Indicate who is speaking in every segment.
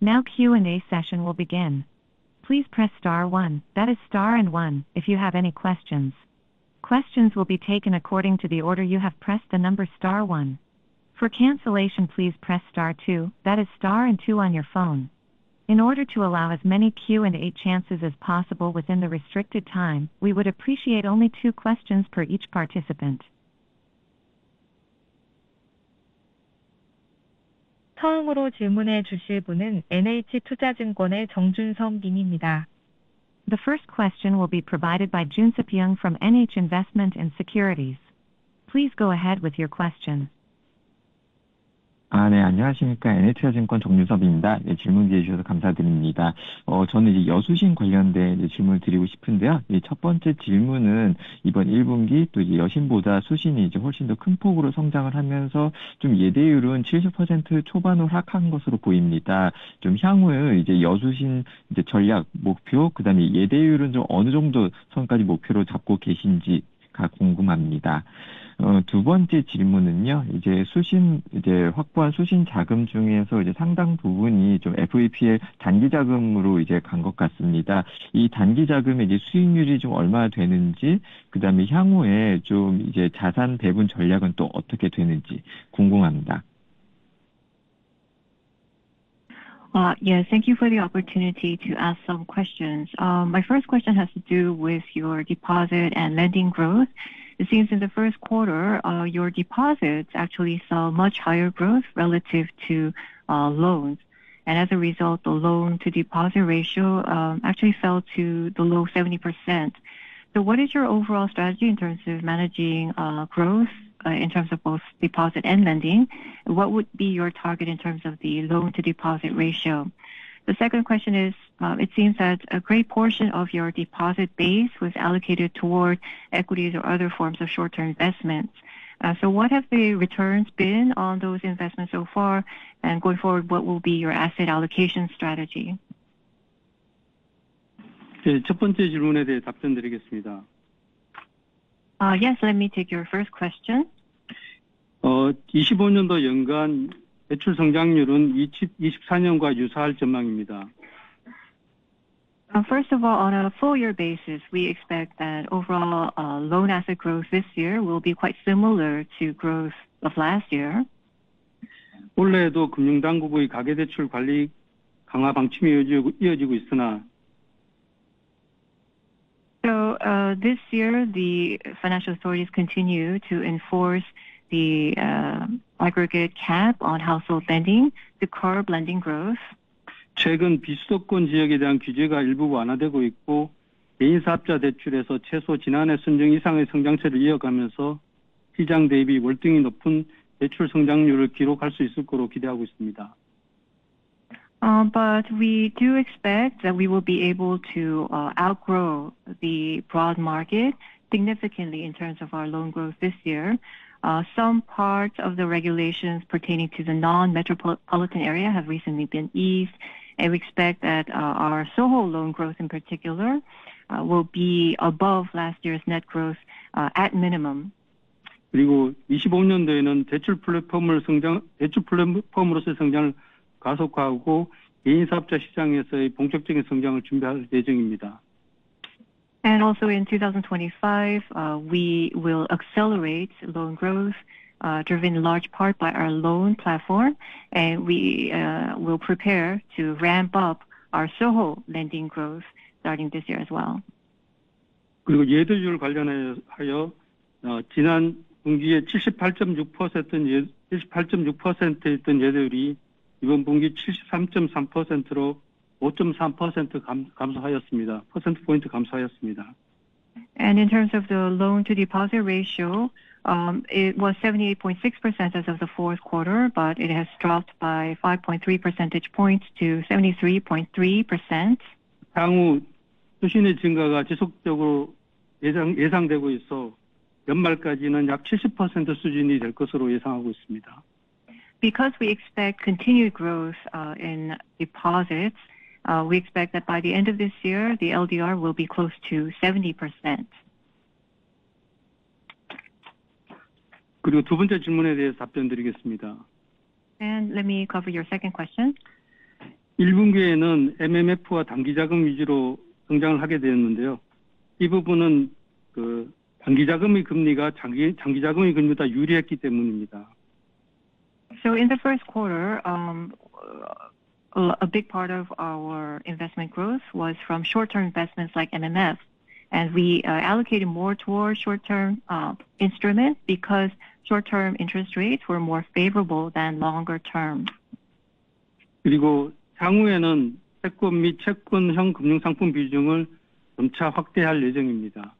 Speaker 1: Now Q&A session will begin. Please press star one, that is star and one, if you have any questions. Questions will be taken according to the order you have pressed the number star one. For cancellation, please press star two, that is star and two on your phone. In order to allow as many Q&A chances as possible within the restricted time, we would appreciate only two questions per each participant. 처음으로 질문해 주실 분은 NH투자증권의 정준섭 님입니다. The first question will be provided by Jun-seop Jeong from NH Investment & Securities. Please go ahead with your question.
Speaker 2: 네, 안녕하십니까. NH투자증권 정준섭입니다. 질문 주셔서 감사드립니다. 저는 여수신 관련된 질문을 드리고 싶은데요. 첫 번째 질문은 이번 1분기, 또 여신보다 수신이 훨씬 더큰 폭으로 성장을 하면서 예대율은 70% 초반으로 하락한 것으로 보입니다. 향후 여수신 전략 목표, 그다음에 예대율은 어느 정도 선까지 목표로 잡고 계신지가 궁금합니다. 두 번째 질문은요, 수신 확보한 수신 자금 중에서 상당 부분이 FEP의 단기 자금으로 간것 같습니다. 이 단기 자금의 수익률이 얼마나 되는지, 그다음에 향후에 자산 배분 전략은 또 어떻게 되는지 궁금합니다. Yes, thank you for the opportunity to ask some questions. My first question has to do with your deposit and lending growth. It seems in the first quarter, your deposits actually saw much higher growth relative to loans. As a result, the loan-to-deposit ratio actually fell to the low 70%. What is your overall strategy in terms of managing growth in terms of both deposit and lending? What would be your target in terms of the loan-to-deposit ratio? The second question is, it seems that a great portion of your deposit base was allocated toward equities or other forms of short-term investments. What have the returns been on those investments so far? Going forward, what will be your asset allocation strategy? 첫 번째 질문에 대해 답변드리겠습니다. Yes, let me take your first question. 2025년도 연간 대출 성장률은 2024년과 유사할 전망입니다. First of all, on a four-year basis, we expect that overall loan asset growth this year will be quite similar to growth of last year. 올해에도 금융당국의 가계대출 관리 강화 방침이 이어지고 있으나 This year, the financial authorities continue to enforce the aggregate cap on household lending to curb lending growth. 최근 비수도권 지역에 대한 규제가 일부 완화되고 있고, 개인사업자 대출에서 최소 지난해 수준 이상의 성장세를 이어가면서 시장 대비 월등히 높은 대출 성장률을 기록할 수 있을 것으로 기대하고 있습니다. We do expect that we will be able to outgrow the broad market significantly in terms of our loan growth this year. Some parts of the regulations pertaining to the non-metropolitan area have recently been eased, and we expect that our SOHO loan growth in particular will be above last year's net growth at minimum. 그리고 2025년도에는 대출 플랫폼으로서의 성장을 가속화하고 개인사업자 시장에서의 본격적인 성장을 준비할 예정입니다. In 2025, we will accelerate loan growth driven in large part by our loan platform, and we will prepare to ramp up our SOHO lending growth starting this year as well. 그리고 예대율 관련하여 지난 분기에 78.6%였던 예대율이 이번 분기 73.3%로 5.3% 감소하였습니다. 퍼센트 포인트 감소하였습니다. In terms of the loan-to-deposit ratio, it was 78.6% as of the fourth quarter, but it has dropped by 5.3 percentage points to 73.3%. 향후 수신의 증가가 지속적으로 예상되고 있어 연말까지는 약 70% 수준이 될 것으로 예상하고 있습니다. Because we expect continued growth in deposits, we expect that by the end of this year, the LDR will be close to 70%. 그리고 두 번째 질문에 대해서 답변드리겠습니다. Let me cover your second question. 1분기에는 MMF와 단기 자금 위주로 성장을 하게 되었는데요. 이 부분은 단기 자금의 금리가 장기 자금에 비해 유리했기 때문입니다. In the first quarter, a big part of our investment growth was from short-term investments like MMF, and we allocated more toward short-term instruments because short-term interest rates were more favorable than longer-term. 그리고 향후에는 채권 및 채권형 금융상품 비중을 점차 확대할 예정입니다.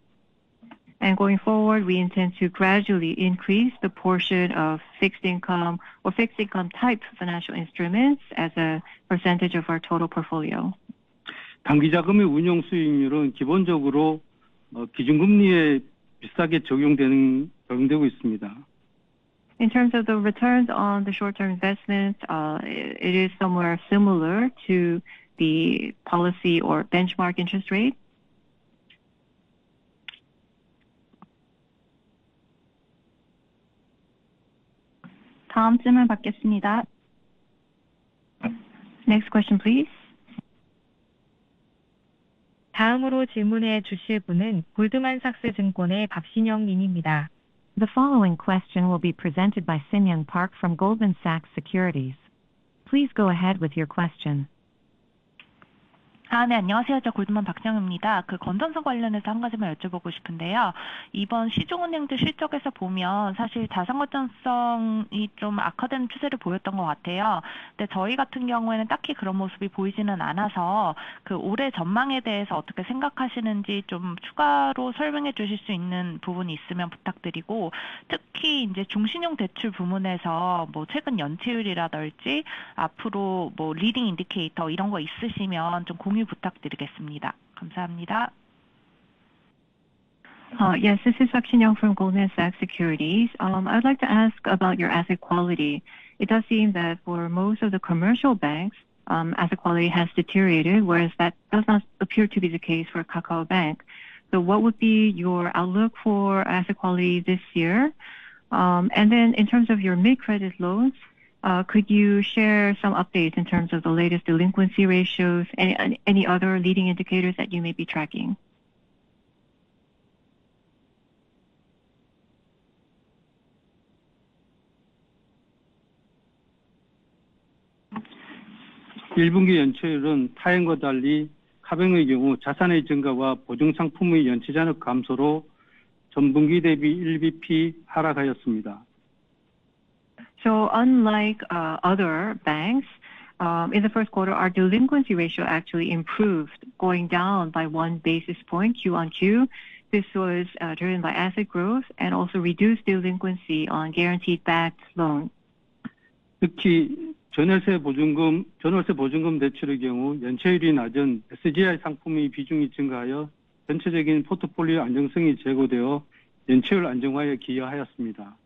Speaker 2: Going forward, we intend to gradually increase the portion of fixed income or fixed income type financial instruments as a percentage of our total portfolio. 단기 자금의 운용 수익률은 기본적으로 기준 금리에 비슷하게 적용되고 있습니다. In terms of the returns on the short-term investments, it is somewhere similar to the policy or benchmark interest rate.
Speaker 1: 다음 질문 받겠습니다. Next question, please. The following question will be presented by Sin-young Park from Goldman Sachs Securities. Please go ahead with your question.
Speaker 3: 네, 안녕하세요. 저 골드만 박신영입니다. 건전성 관련해서 한 가지만 여쭤보고 싶은데요. 이번 시중은행들 실적에서 보면 사실 자산 건전성이 좀 악화되는 추세를 보였던 것 같아요. 근데 저희 같은 경우에는 딱히 그런 모습이 보이지는 않아서 올해 전망에 대해서 어떻게 생각하시는지 좀 추가로 설명해 주실 수 있는 부분이 있으면 부탁드리고, 특히 중신용 대출 부문에서 최근 연체율이라든지 앞으로 리딩 인디케이터 이런 거 있으시면 좀 공유 부탁드리겠습니다. 감사합니다. Yes, this is Park Sin-young from Goldman Sachs Securities. I'd like to ask about your asset quality. It does seem that for most of the commercial banks, asset quality has deteriorated, whereas that does not appear to be the case for KakaoBank. What would be your outlook for asset quality this year? In terms of your mid-credit loans, could you share some updates in terms of the latest delinquency ratios, any other leading indicators that you may be tracking? 1분기 연체율은 타행과 달리 카뱅의 경우 자산의 증가와 보증 상품의 연체 잔액 감소로 전분기 대비 1 basis point 하락하였습니다. Unlike other banks, in the first quarter, our delinquency ratio actually improved, going down by one basis point, Q on Q. This was driven by asset growth and also reduced delinquency on guarantee-backed loans. 특히 전월세 보증금 대출의 경우 연체율이 낮은 SGI 상품의 비중이 증가하여 전체적인 포트폴리오 안정성이 제고되어 연체율 안정화에 기여하였습니다.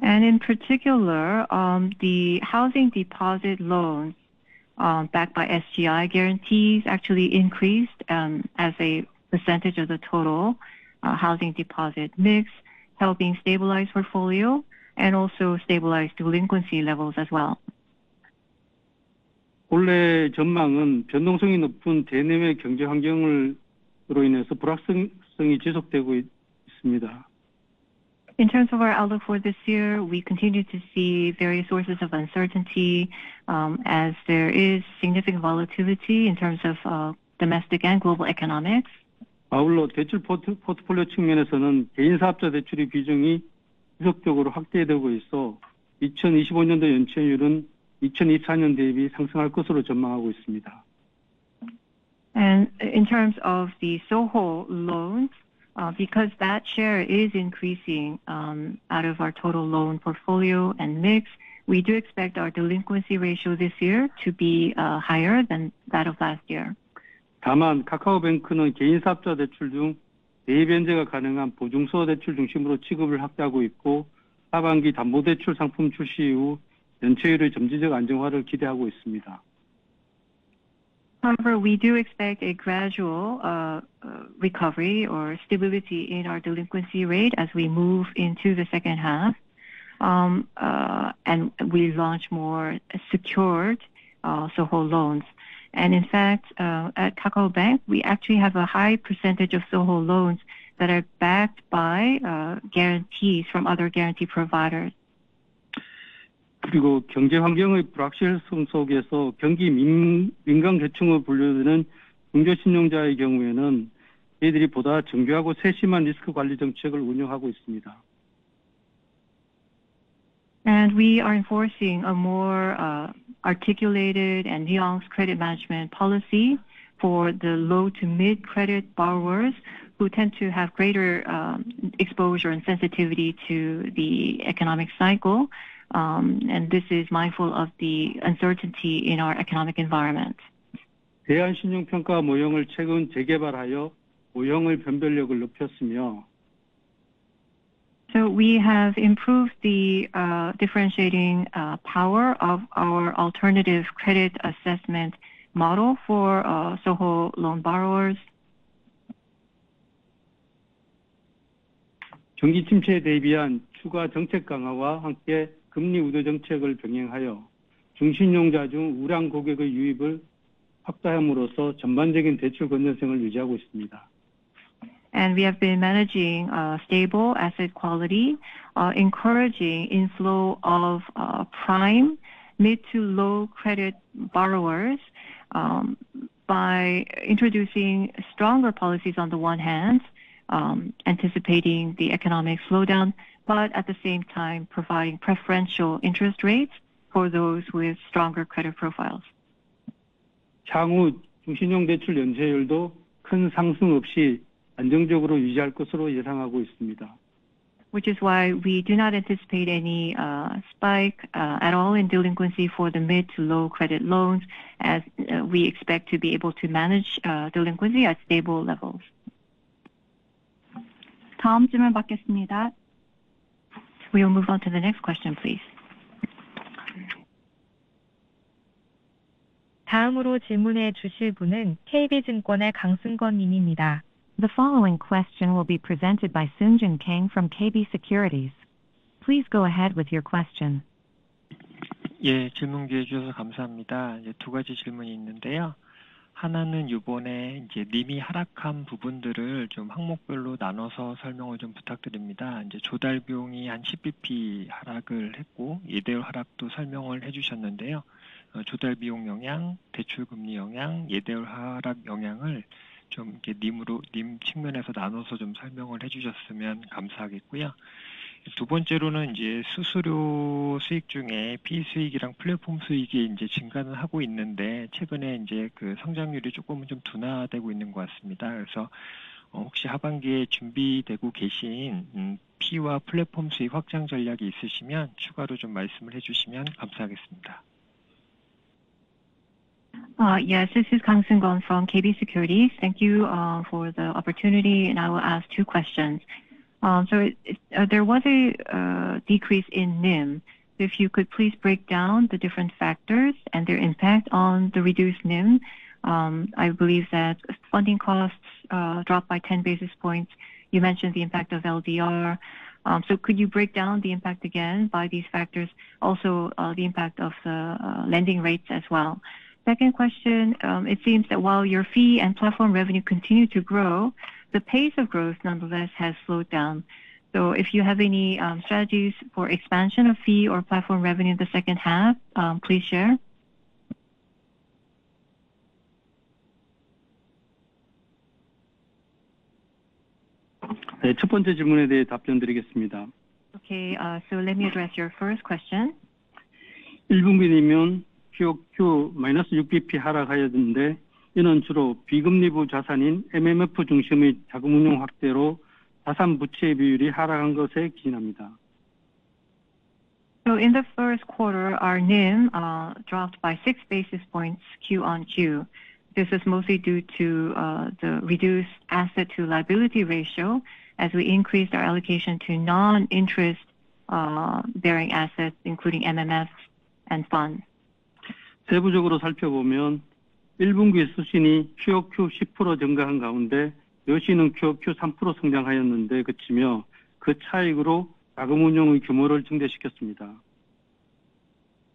Speaker 3: In particular, the housing deposit loans backed by SGI guarantees actually increased as a percentage of the total housing deposit mix, helping stabilize portfolio and also stabilize delinquency levels as well. 올해 전망은 변동성이 높은 대내외 경제 환경으로 인해서 불확실성이 지속되고 있습니다. In terms of our outlook for this year, we continue to see various sources of uncertainty as there is significant volatility in terms of domestic and global economics. 아울러 대출 포트폴리오 측면에서는 개인사업자 대출의 비중이 지속적으로 확대되고 있어 2025년도 연체율은 2024년 대비 상승할 것으로 전망하고 있습니다. In terms of the SOHO loans, because that share is increasing out of our total loan portfolio and mix, we do expect our delinquency ratio this year to be higher than that of last year.
Speaker 2: that can be repaid externally, and after the launch of secured loan products in the second half, a gradual stabilization of the delinquency ratio is expected. However, we do expect a gradual recovery or stability in our delinquency rate as we move into the second half and we launch more secured SOHO loans. In fact, at KakaoBank, we actually have a high percentage of SOHO loans that are backed by guarantees from other guarantee providers. 그리고 경제 환경의 불확실성 속에서 경기 민감 계층으로 분류되는 중저신용자의 경우에는 저희들이 보다 정교하고 세심한 리스크 관리 정책을 운영하고 있습니다. We are enforcing a more articulated and nuanced credit management policy for the low to mid-credit borrowers who tend to have greater exposure and sensitivity to the economic cycle, and this is mindful of the uncertainty in our economic environment. 대안 신용 평가 모형을 최근 재개발하여 모형의 변별력을 높였으며. We have improved the differentiating power of our alternative credit assessment model for SOHO loan borrowers. 경기 침체에 대비한 추가 정책 강화와 함께 금리 우대 정책을 병행하여 중신용자 중 우량 고객의 유입을 확대함으로써 전반적인 대출 건전성을 유지하고 있습니다. We have been managing stable asset quality, encouraging inflow of prime, mid to low credit borrowers by introducing stronger policies on the one hand, anticipating the economic slowdown, but at the same time providing preferential interest rates for those with stronger credit profiles. 향후 중신용 대출 연체율도 큰 상승 없이 안정적으로 유지할 것으로 예상하고 있습니다. Which is why we do not anticipate any spike at all in delinquency for the mid to low credit loans, as we expect to be able to manage delinquency at stable levels.
Speaker 1: 다음 질문 받겠습니다. We will move on to the next question, please. 다음으로 질문해 주실 분은 KB증권의 강승건 님입니다. \ The following question will be presented by Kang Seung-gun from KB Securities. Please go ahead with your question.
Speaker 4: 예, 질문 기회 주셔서 감사합니다. 두 가지 질문이 있는데요. 하나는 이번에 NIM이 하락한 부분들을 좀 항목별로 나눠서 설명을 좀 부탁드립니다. 조달 비용이 한10 basis points 하락을 했고, 예대율 하락도 설명을 해주셨는데요. 조달 비용 영향, 대출 금리 영향, 예대율 하락 영향을 좀 NIM 측면에서 나눠서 좀 설명을 해주셨으면 감사하겠고요. 두 번째로는 수수료 수익 중에 fee 수익이랑 플랫폼 수익이 증가는 하고 있는데, 최근에 성장률이 조금은 둔화되고 있는 것 같습니다. 그래서 혹시 하반기에 준비되고 계신 fee와 플랫폼 수익 확장 전략이 있으시면 추가로 좀 말씀을 해주시면 감사하겠습니다. Yes, this is Kang Seung-gun from KB Securities. Thank you for the opportunity, and I will ask two questions. There was a decrease in NIM. If you could please break down the different factors and their impact on the reduced NIM. I believe that funding costs dropped by 10 basis points. You mentioned the impact of LDR. Could you break down the impact again by these factors? Also, the impact of the lending rates as well. Second question, it seems that while your fee and platform revenue continue to grow, the pace of growth nonetheless has slowed down. If you have any strategies for expansion of fee or platform revenue in the second half, please share. 첫 번째 질문에 대해 답변드리겠습니다. Okay, so let me address your first question. 1분기 님은 POQ -6 basis points 하락하였는데, 이는 주로 비금리부 자산인 MMF 중심의 자금 운용 확대로 자산 부채 비율이 하락한 것에 기인합니다. In the first quarter, our NIM dropped by 6 basis points Q on Q. This is mostly due to the reduced asset to liability ratio as we increased our allocation to non-interest-bearing assets, including MMFs and funds. 세부적으로 살펴보면 1분기 수신이 POQ 10% 증가한 가운데 여신은 POQ 3% 성장하였는데 그치며 그 차익으로 자금 운용의 규모를 증대시켰습니다.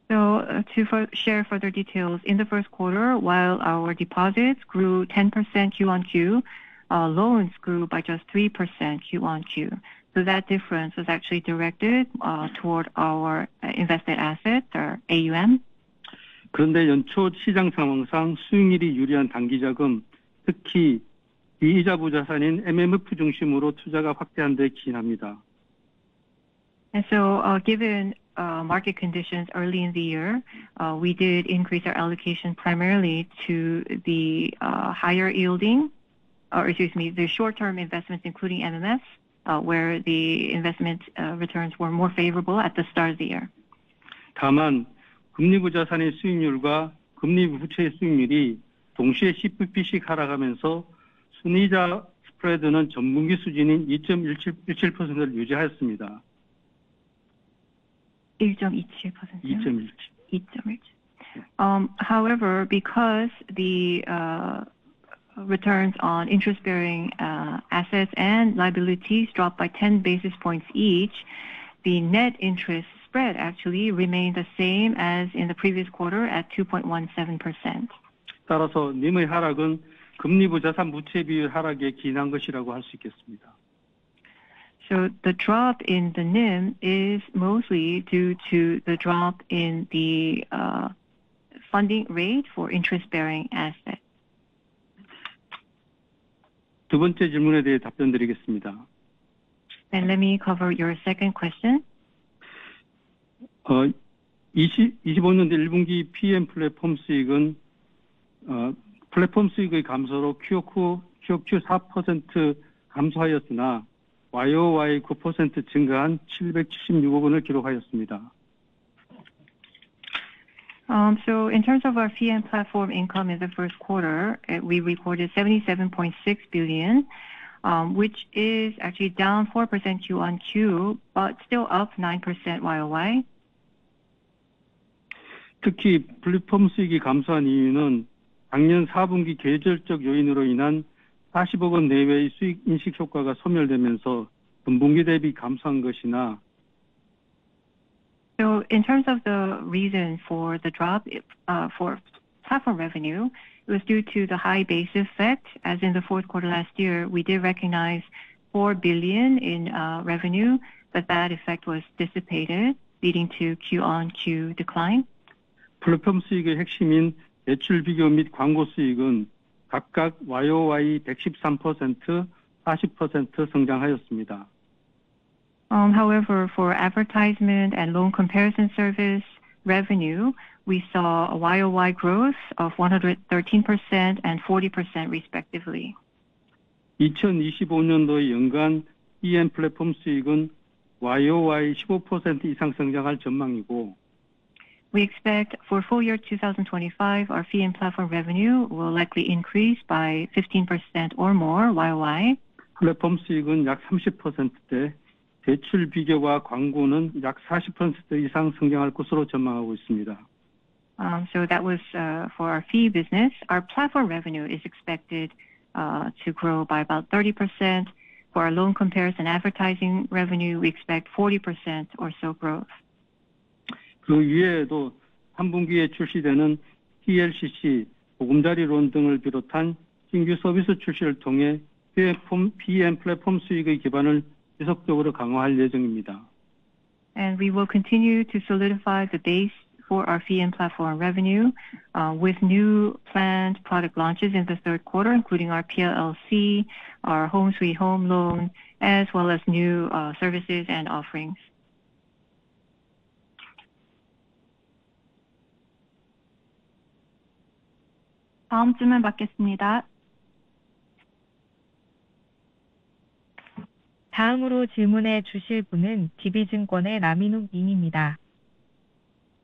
Speaker 4: To share further details, in the first quarter, while our deposits grew 10% Q on Q, loans grew by just 3% Q on Q. That difference was actually directed toward our invested assets, our AUM. 그런데 연초 시장 상황상 수익률이 유리한 단기 자금, 특히 비이자부 자산인 MMF 중심으로 투자가 확대한 데 기인합니다. Given market conditions early in the year, we did increase our allocation primarily to the higher yielding, or excuse me, the short-term investments, including MMFs, where the investment returns were more favorable at the start of the year. by 10 basis points, the net interest spread remained at the previous quarter level of 2.17%. 1.27%요? 2.17. 2.17%. However, because the returns on interest-bearing assets and liabilities dropped by 10 basis points each, the net interest spread actually remained the same as in the previous quarter at 2.17%. 따라서 NIM의 하락은 금리부 자산 부채 비율 하락에 기인한 것이라고 할수 있겠습니다. The drop in the NIM is mostly due to the drop in the funding rate for interest-bearing assets. 두 번째 질문에 대해 답변드리겠습니다. Let me cover your second question. revenue decreased 4% quarter-on-quarter due to a decline in platform revenue, but increased 9% year-on-year to KRW 77.6 billion. In terms of our PEM platform income in the first quarter, we recorded KRW 77.6 billion, which is actually down 4% Q on Q, but still up 9% YoY. 특히 플랫폼 수익이 감소한 이유는 작년 4분기 계절적 요인으로 인한 4 billion 내외의 수익 인식 효과가 소멸되면서 전분기 대비 감소한 것이나. In terms of the reason for the drop for platform revenue, it was due to the high basis effect. As in the fourth quarter last year, we did recognize 4 billion in revenue, but that effect was dissipated, leading to quarter-on-quarter decline. 플랫폼 수익의 핵심인 대출 비교 및 광고 수익은 각각 YoY 113%, 40% 성장하였습니다. However, for advertisement and loan comparison service revenue, we saw YoY growth of 113% and 40% respectively. 2025년도 연간 PEM 플랫폼 수익은 YoY 15% 이상 성장할 전망이고. We expect for full year 2025, our PEM platform revenue will likely increase by 15% or more YoY. 플랫폼 수익은 약 30%대, 대출 비교와 광고는 약 40% 이상 성장할 것으로 전망하고 있습니다. That was for our fee business. Our platform revenue is expected to grow by about 30%. For our loan comparison advertising revenue, we expect 40% or so growth. 그 이외에도 3분기에 출시되는 TLCC, 보금자리론 등을 비롯한 신규 서비스 출시를 통해 PEM 플랫폼 수익의 기반을 지속적으로 강화할 예정입니다. We will continue to solidify the base for our PEM platform revenue with new planned product launches in the third quarter, including our TLCC, our Home Sweet Home loan, as well as new services and offerings.
Speaker 1: 다음 질문 받겠습니다. 다음으로 질문해 주실 분은 DB증권의 라민욱 님입니다.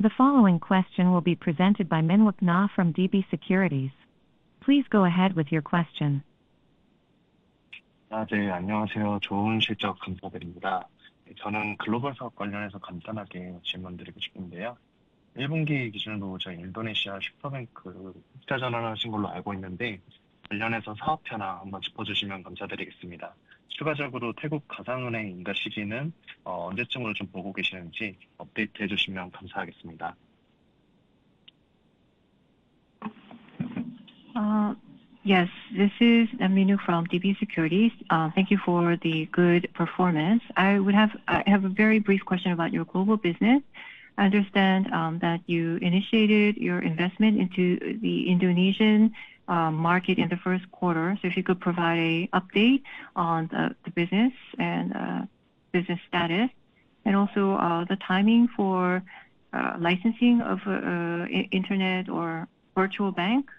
Speaker 1: The following question will be presented by Min-wook Na from DB Securities. Please go ahead with your question.
Speaker 5: 네, 안녕하세요. 좋은 실적 감사드립니다. 저는 글로벌 사업 관련해서 간단하게 질문드리고 싶은데요. 1분기 기준으로 저희 인도네시아 Superbank 흑자 전환하신 걸로 알고 있는데, 관련해서 사업 현황 한번 짚어주시면 감사드리겠습니다. 추가적으로 태국 가상은행 인가 시기는 언제쯤으로 좀 보고 계시는지 업데이트해 주시면 감사하겠습니다. Yes, this is Min-wook from DB Securities. Thank you for the good performance. I have a very brief question about your global business. I understand that you initiated your investment into the Indonesian market in the first quarter. If you could provide an update on the business and business status, and also the timing for licensing of internet or virtual bank.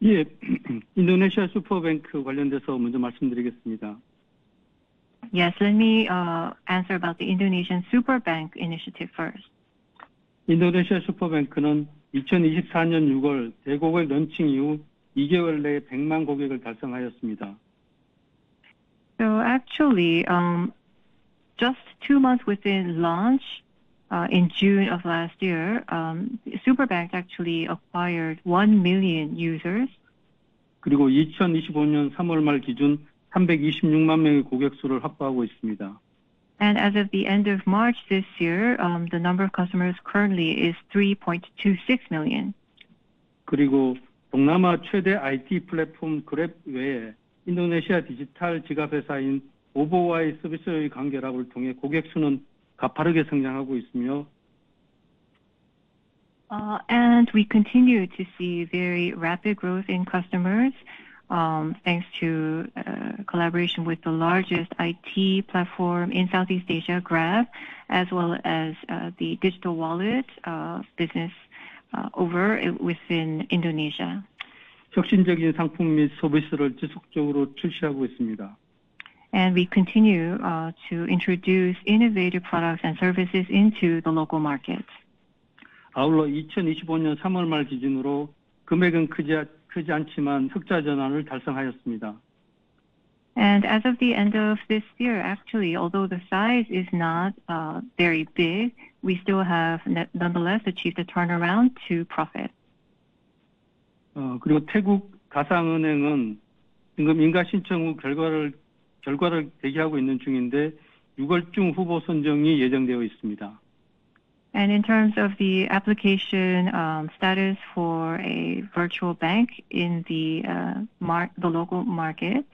Speaker 5: first speak about Superbank in Indonesia. Yes, let me answer about the Indonesian Superbank initiative first. customers within two months after its June 2024 launch to the public. Actually, just two months within launch in June of last year, Superbank actually acquired 1 million users. 그리고 2025년 3월 말 기준 3.26 million 명의 고객 수를 확보하고 있습니다. As of the end of March this year, the number of customers currently is 3.26 million. 그리고 동남아 최대 IT 플랫폼 그랩 외에 인도네시아 디지털 지갑 회사인 OVO와의 서비스의 간결함을 통해 고객 수는 가파르게 성장하고 있으며. We continue to see very rapid growth in customers thanks to collaboration with the largest IT platform in Southeast Asia, Grab, as well as the digital wallet business over within Indonesia. 혁신적인 상품 및 서비스를 지속적으로 출시하고 있습니다. We continue to introduce innovative products and services into the local market. 아울러 2025년 3월 말 기준으로 금액은 크지 않지만 흑자 전환을 달성하였습니다. As of the end of this year, actually, although the size is not very big, we still have nonetheless achieved a turnaround to profit. 그리고 태국 가상은행은 지금 인가 신청 후 결과를 대기하고 있는 중인데, 6월 중 후보 선정이 예정되어 있습니다. In terms of the application status for a virtual bank in the local market.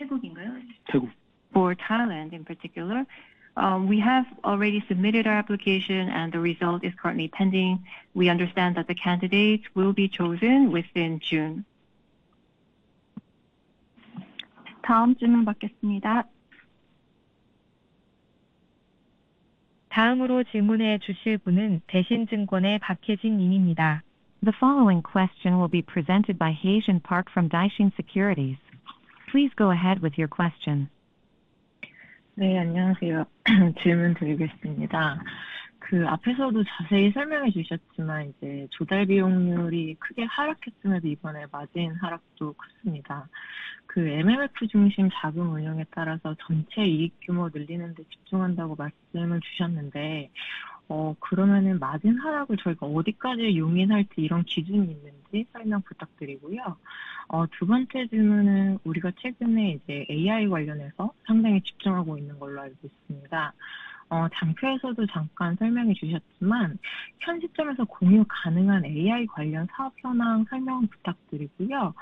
Speaker 5: 태국인가요?
Speaker 2: 태국. For Thailand in particular, we have already submitted our application and the result is currently pending. We understand that the candidates will be chosen within June.
Speaker 1: 다음 질문 받겠습니다. 다음으로 질문해 주실 분은 대신증권의 박혜진 님입니다. The following question will be presented by Hye-Jin Park from Daishin Securities. Please go ahead with your question.
Speaker 6: 네, 안녕하세요. 질문 드리겠습니다. 앞에서도 자세히 설명해 주셨지만 조달 비용률이 크게 하락했음에도 이번에 마진 하락도 컸습니다. MMF 중심 자금 운용에 따라서 전체 이익 규모 늘리는 데 집중한다고 말씀을 주셨는데, 그러면 마진 하락을 저희가 어디까지 용인할지 이런 기준이 있는지 설명 부탁드리고요. 두 번째 질문은 우리가 최근에 AI 관련해서 상당히 집중하고 있는 걸로 알고 있습니다. 장표에서도 잠깐 설명해 주셨지만 현 시점에서 공유 가능한 AI 관련 사업 현황 설명 부탁드리고요.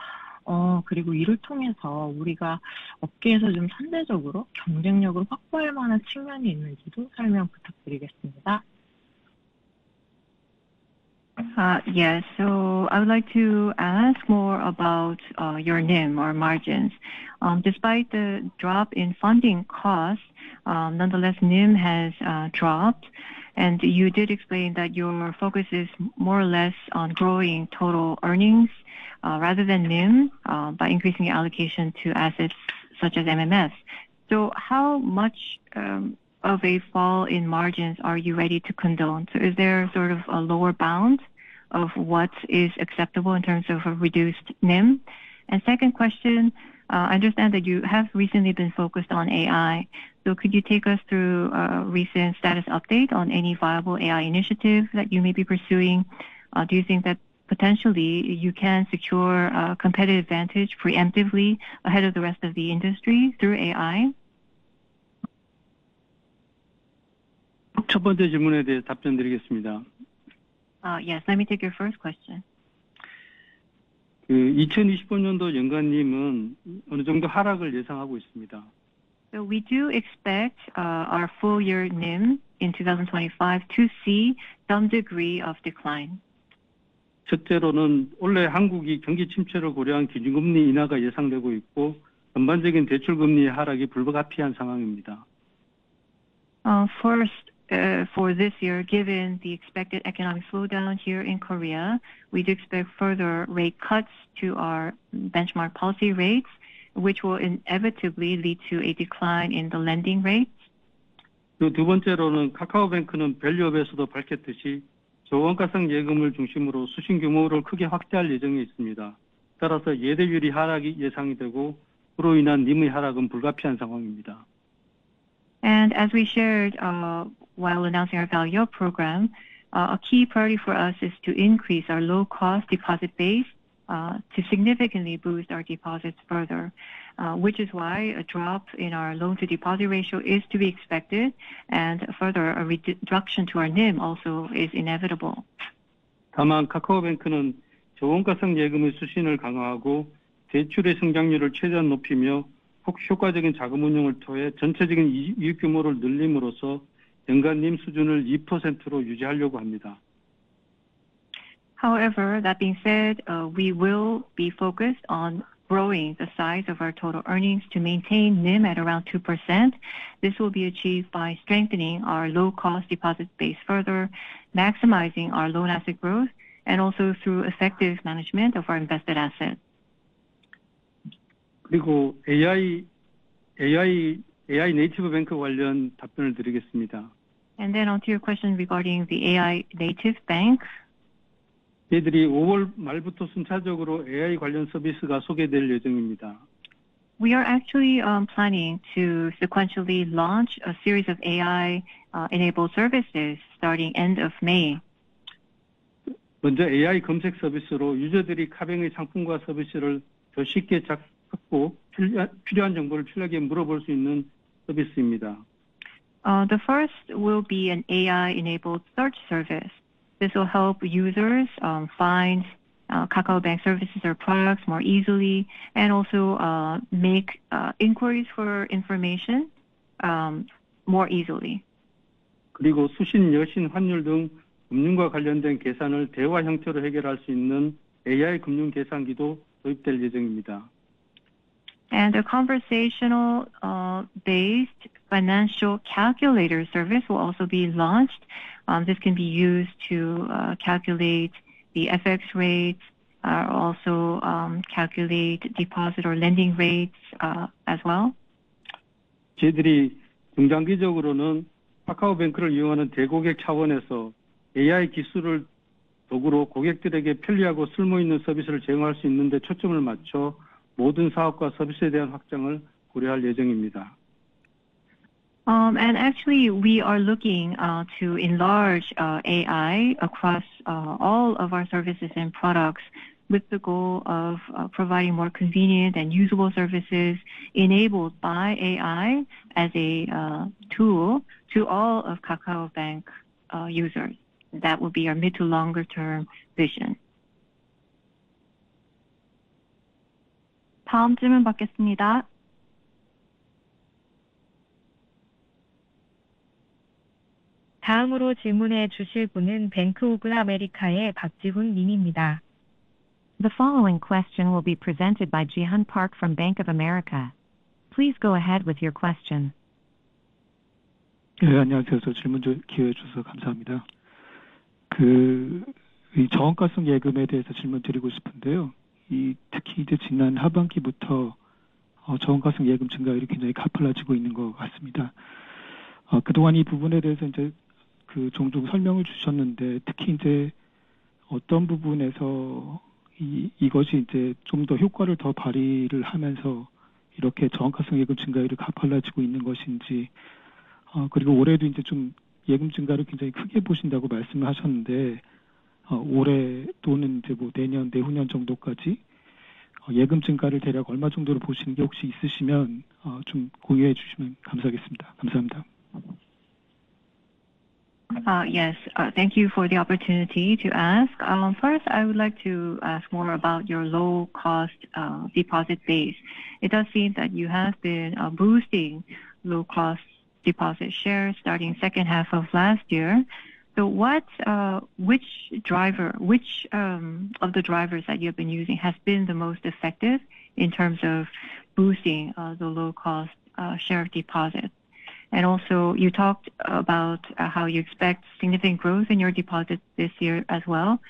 Speaker 6: 그리고 이를 통해서 우리가 업계에서 좀 선제적으로 경쟁력을 확보할 만한 측면이 있는지도 설명 부탁드리겠습니다. Yes, so I would like to ask more about your NIM or margins. Despite the drop in funding costs, nonetheless NIM has dropped, and you did explain that your focus is more or less on growing total earnings rather than NIM by increasing allocation to assets such as MMF. How much of a fall in margins are you ready to condone? Is there sort of a lower bound of what is acceptable in terms of a reduced NIM? Second question, I understand that you have recently been focused on AI. Could you take us through a recent status update on any viable AI initiative that you may be pursuing? Do you think that potentially you can secure a competitive advantage preemptively ahead of the rest of the industry through AI? 첫 번째 질문에 대해 답변드리겠습니다. Yes, let me take your first question. 2025년도 연간 NIM은 어느 정도 하락을 예상하고 있습니다. We do expect our full year NIM in 2025 to see some degree of decline. 첫째로는 올해 한국이 경기 침체를 고려한 기준금리 인하가 예상되고 있고, 전반적인 대출 금리 하락이 불가피한 상황입니다. First, for this year, given the expected economic slowdown here in Korea, we do expect further rate cuts to our benchmark policy rates, which will inevitably lead to a decline in the lending rates. 두 번째로는 카카오뱅크는 밸류업에서도 밝혔듯이 저원가성 예금을 중심으로 수신 규모를 크게 확대할 예정에 있습니다. 따라서 예대율이 하락이 예상이 되고, 그로 인한 NIM의 하락은 불가피한 상황입니다. As we shared while announcing our value-up program, a key priority for us is to increase our low-cost deposit base to significantly boost our deposits further, which is why a drop in our loan-to-deposit ratio is to be expected, and further a reduction to our NIM also is inevitable. 2% by strengthening the intake of low-cost deposits, maximizing the growth rate of loans, and increasing the overall profit size through effective fund management. However, that being said, we will be focused on growing the size of our total earnings to maintain NIM at around 2%. This will be achieved by strengthening our low-cost deposit base further, maximizing our loan asset growth, and also through effective management of our invested assets. 그리고 AI 네이티브 뱅크 관련 답변을 드리겠습니다. Onto your question regarding the AI native bank. 저희들이 5월 말부터 순차적으로 AI 관련 서비스가 소개될 예정입니다. We are actually planning to sequentially launch a series of AI-enabled services starting end of May. 먼저 AI 검색 서비스로 유저들이 카뱅의 상품과 서비스를 더 쉽게 찾고 필요한 정보를 편하게 물어볼 수 있는 서비스입니다. The first will be an AI-enabled search service. This will help users find KakaoBank services or products more easily and also make inquiries for information more easily. 그리고 수신, 여신, 환율 등 금융과 관련된 계산을 대화 형태로 해결할 수 있는 AI 금융 계산기도 도입될 예정입니다. A conversational-based financial calculator service will also be launched. This can be used to calculate the FX rates, also calculate deposit or lending rates as well. 저희들이 중장기적으로는 KakaoBank를 이용하는 대고객 차원에서 AI 기술을 도구로 고객들에게 편리하고 쓸모 있는 서비스를 제공할 수 있는 데 초점을 맞춰 모든 사업과 서비스에 대한 확장을 고려할 예정입니다. We are looking to enlarge AI across all of our services and products with the goal of providing more convenient and usable services enabled by AI as a tool to all of KakaoBank users. That will be our mid to longer-term vision.
Speaker 1: 다음 질문 받겠습니다. 다음으로 질문해 주실 분은 Bank of America의 Ji-hun Park 님입니다. The following question will be presented by Ji-hun Park from Bank of America. Please go ahead with your question. 네, 안녕하세요. 질문 기회를 주셔서 감사합니다. 저원가성 예금에 대해서 질문 드리고 싶은데요. 특히 지난 하반기부터 저원가성 예금 증가율이 굉장히 가팔라지고 있는 것 같습니다. 그동안 이 부분에 대해서 종종 설명을 주셨는데, 특히 어떤 부분에서 이것이 좀더 효과를 더 발휘를 하면서 이렇게 저원가성 예금 증가율이 가팔라지고 있는 것인지, 그리고 올해도 예금 증가를 굉장히 크게 보신다고 말씀을 하셨는데, 올해 또는 내년, 내후년 정도까지 예금 증가를 대략 얼마 정도로 보시는 게 혹시 있으시면 좀 공유해 주시면 감사하겠습니다. 감사합니다. Yes, thank you for the opportunity to ask. First, I would like to ask more about your low-cost deposit base. It does seem that you have been boosting low-cost deposit shares starting second half of last year. Which of the drivers that you have been using has been the most effective in terms of boosting the low-cost share of deposit? Also, you talked about how you expect significant growth in your deposits this year as well.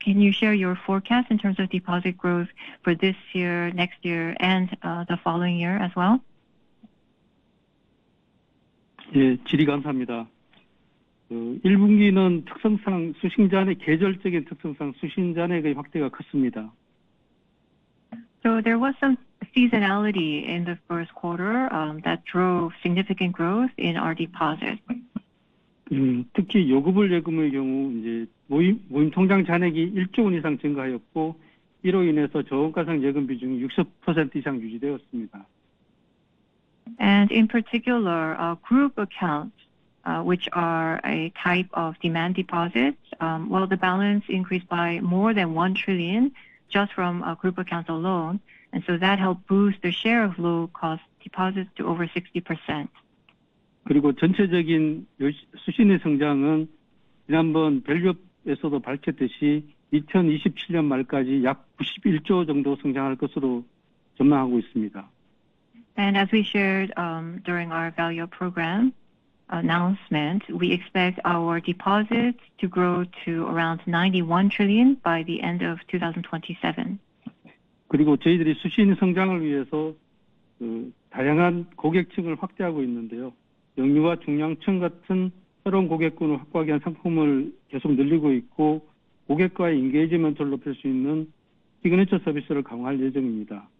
Speaker 1: Can you share your forecast in terms of deposit growth for this year, next year, and the following year as well? 예, 질의 감사합니다. 1분기는 특성상 수신 잔액, 계절적인 특성상 수신 잔액의 확대가 컸습니다. There was some seasonality in the first quarter that drove significant growth in our deposits. 특히 요구불 예금의 경우 모임 통장 잔액이 1 trillion 이상 증가하였고, 이로 인해서 저원가성 예금 비중이 60% 이상 유지되었습니다. In particular, group accounts, which are a type of demand deposits, the balance increased by more than 1 trillion just from group accounts alone. That helped boost the share of low-cost deposits to over 60%. 그리고 전체적인 수신의 성장은 지난번 밸류업에서도 밝혔듯이 2027년 말까지 약 91 trillion 정도 성장할 것으로 전망하고 있습니다. As we shared during our Value-Up Program announcement, we expect our deposits to grow to around 91 trillion by the end of 2027. 그리고 저희들이 수신 성장을 위해서 다양한 고객층을 확대하고 있는데요. 영유아, 중년층 같은 새로운 고객군을 확보하기 위한 상품을 계속 늘리고 있고, 고객과의 인게이지먼트를 높일 수 있는 시그니처 서비스를 강화할 예정입니다. To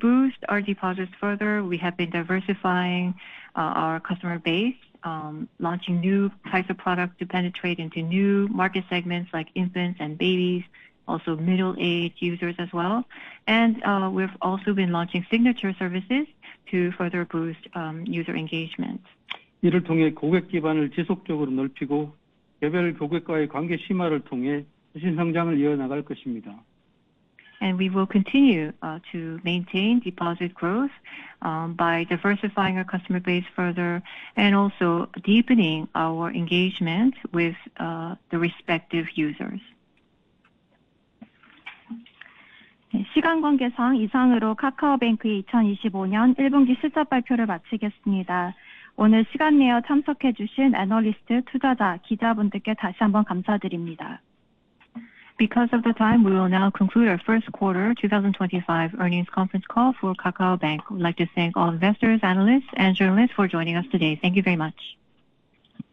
Speaker 1: boost our deposits further, we have been diversifying our customer base, launching new types of products to penetrate into new market segments like infants and babies, also middle-aged users as well. We have also been launching signature services to further boost user engagement. 이를 통해 고객 기반을 지속적으로 넓히고 개별 고객과의 관계 심화를 통해 수신 성장을 이어나갈 것입니다. We will continue to maintain deposit growth by diversifying our customer base further and also deepening our engagement with the respective users. 시간 관계상 이상으로 카카오뱅크의 2025년 1분기 실적 발표를 마치겠습니다. 오늘 시간 내어 참석해 주신 애널리스트, 투자자, 기자분들께 다시 한번 감사드립니다. Because of the time, we will now conclude our First Quarter 2025 Earnings Conference Call for KakaoBank. We'd like to thank all investors, analysts, and journalists for joining us today. Thank you very much.